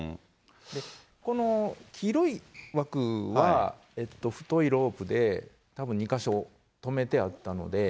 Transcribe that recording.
この黄色い枠は、太いロープで、たぶん２か所留めてあったので。